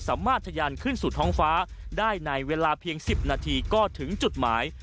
ทะยานขึ้นสู่ท้องฟ้าได้ในเวลาเพียง๑๐นาทีก็ถึงจุดหมาย